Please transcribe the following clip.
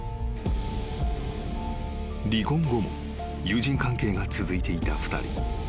［離婚後も友人関係が続いていた２人］